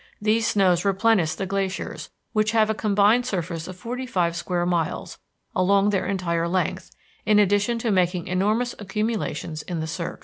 These snows replenish the glaciers, which have a combined surface of forty five square miles, along their entire length, in addition to making enormous accumulations in the cirques.